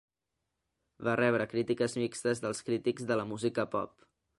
Va rebre crítiques mixtes dels crítics de la música pop.